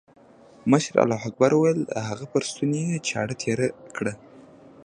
مشر الله اکبر وويل د هغه پر ستوني يې چاړه تېره کړه.